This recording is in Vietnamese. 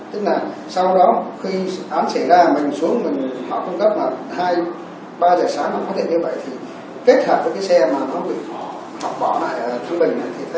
tức là sau đó khi án xảy ra mình xuống họ cung cấp mà hai ba giờ sáng không có thể như vậy